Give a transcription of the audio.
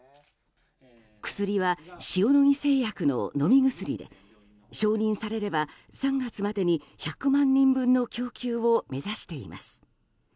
薬は塩野義製薬の飲み薬で承認されれば３月までに１００万人分の供給を目指しています。